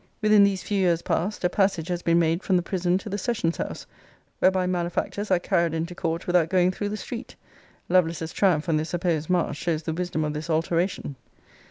* Within these few years past, a passage has been made from the prison to the sessions house, whereby malefactors are carried into court without going through the street. Lovelace's triumph on their supposed march shows the wisdom of this alteration.